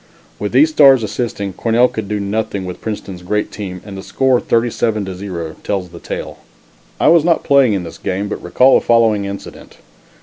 With these stars assisting, Cornell could do nothing with Princeton's great team and the score 37 to 0 tells the tale. I was not playing in this game, but recall the following incident.